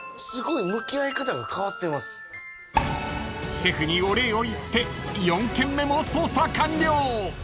［シェフにお礼を言って４軒目も］